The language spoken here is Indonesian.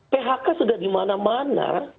phk sudah dimana mana